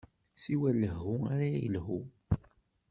Siwa lehhu ara yelhu.